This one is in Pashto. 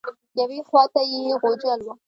یوې خوا ته یې غوجل وه.